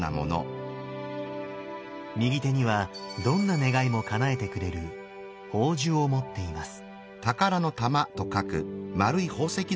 右手にはどんな願いもかなえてくれる「宝珠」を持っています。